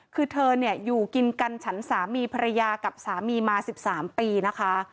คือเธอเนี่ยอยู่กินกันฉันสามีภรรยากับสามีมา๑๓ปีนะคะ